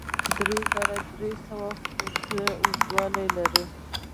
دغه کانال درې زره درې سوه فوټه اوږدوالی لري.